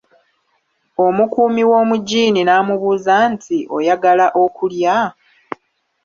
Omukuumi w'omugiini n'amubuuza nti " Oyagala okulya?